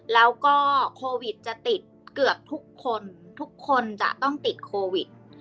แล้วก็โควิดจะติดเกือบทุกคนทุกคนจะต้องติดโควิด